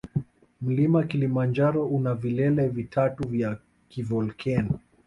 Mlima kilimanjaro una vilele vitatu vya kivolkeno